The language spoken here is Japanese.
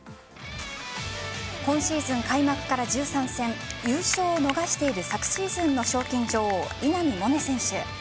今シーズン開幕から１３戦優勝を逃している昨シーズンの賞金女王稲見萌寧選手。